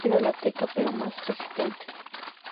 Parecida a la teca pero más resistente.